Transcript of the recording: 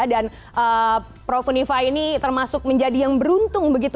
dan prof unifah ini termasuk menjadi yang beruntung begitu